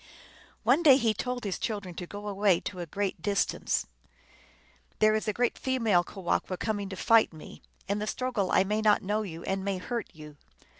One day he told his children to go away to a great 248 THE ALGONQUIN LEGENDS. distance. " There is a great female Kewahqu coming to fight ine. In the struggle I may not know you, and may hurt you."